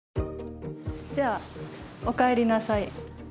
じゃあお帰りなさい。